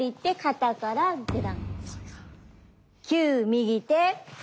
９右手。